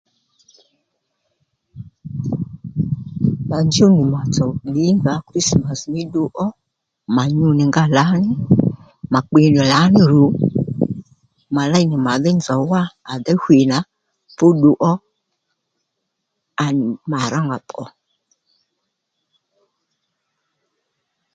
Mà njúw nì màtsò ddìnga ó krismas mí ddu ó mà nyu nì nga lǎní mà kpi nì lǎní rù mà léy nì mà dhí nzòw wá à déy hwî nà fú ddu ó à nì mà rónga pbǒ